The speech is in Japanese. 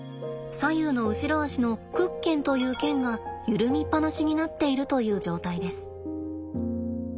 左右の後ろ足の屈腱という腱が緩みっぱなしになっているという状態です。